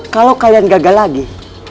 kalau kalian gagal lagi